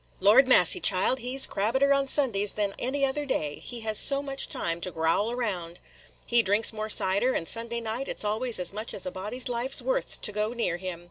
"Lordy massy, child, he 's crabbeder Sundays than any other day, he has so much time to graowl round. He drinks more cider; and Sunday night it 's always as much as a body's life 's worth to go near him.